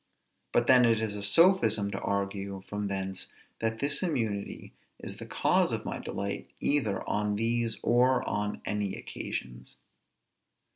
But then it is a sophism to argue from thence that this immunity is the cause of my delight either on these or on any occasions.